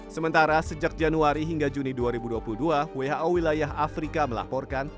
sementara sejak januari hingga juni dua ribu dua puluh dua who wilayah afrika melaporkan